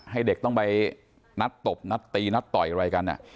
ให้เด็กต้องไปนัดตบนัดตีนัดต่อยอะไรกัน